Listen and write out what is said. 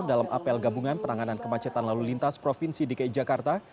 dalam apel gabungan penanganan kemacetan lalu lintas provinsi dki jakarta